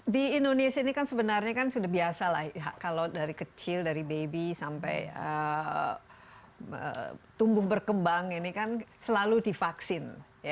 di indonesia ini kan sebenarnya kan sudah biasa lah kalau dari kecil dari baby sampai tumbuh berkembang ini kan selalu divaksin